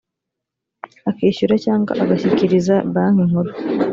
akishyura cyangwa agashyikiriza banki nkuru